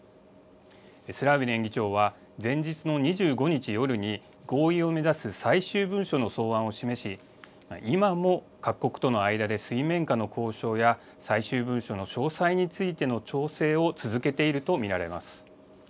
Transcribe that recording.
スラウビネン議長は前日の２５日夜に、合意を目指す最終文書の草案を示し、今も各国との間で水面下の交渉や最終文書の詳細についての調整を続けていると見られます。